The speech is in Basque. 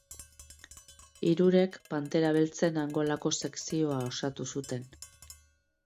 Hirurek Pantera Beltzen Angolako Sekzioa osatu zuten.